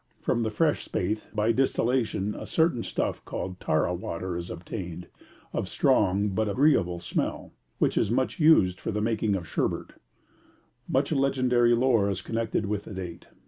From the fresh spathe, by distillation, a certain stuff called tara water is obtained, of strong but agreeable smell, which is much used for the making of sherbet. Much legendary lore is connected with the date.